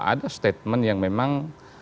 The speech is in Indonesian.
ada statement yang memang